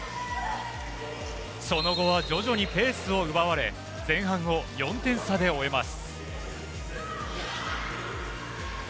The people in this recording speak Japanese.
その後は徐々にペースを奪われ、前半を４点差で終えます。